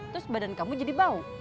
terus badan kamu jadi bau